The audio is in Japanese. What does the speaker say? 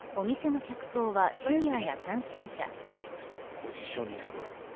ポジショニング。